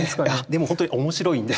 でも本当に面白いんです。